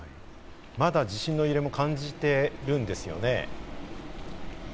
まだ地震の揺れも感じているんですよね？